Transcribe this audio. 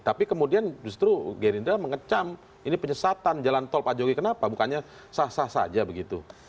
tapi kemudian justru gerindra mengecam ini penyesatan jalan tol pak jokowi kenapa bukannya sah sah saja begitu